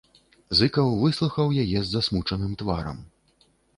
Зыкаў выслухаў яе з засмучаным тварам.